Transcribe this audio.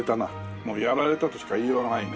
もうやられたとしか言いようがないね。